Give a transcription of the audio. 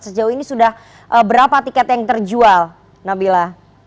sejauh ini sudah berapa tiket yang terjual nabila